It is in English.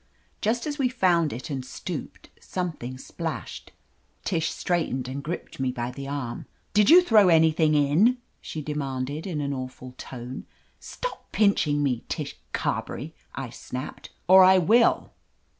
Just as we found it and stooped, something splashed. Tish straightened and gripped me by the arm. "Did you throw anything in?" she demanded in an awful tone. "Stop pinching me, Tish Carberry!" I snapped, "or I will."